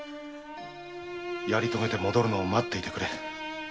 やり遂げて戻るのを待っていてくれ。